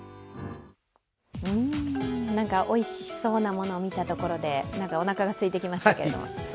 おいそうなものを見たところでおなかがすいてきましたけれども。